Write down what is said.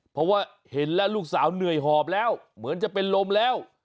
เพราะว่าเห็นแล้วลูกสาวเหนื่อยหอบแล้วเหมือนจะเป็นลมแล้ว